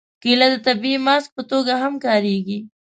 کېله د طبیعي ماسک په توګه هم کارېږي.